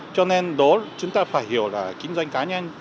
cho nên đó chúng ta phải hiểu là kinh doanh cá nhân